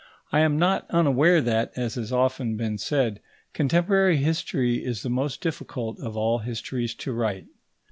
I am not unaware that, as has often been said, contemporary history is the most difficult of all histories to write.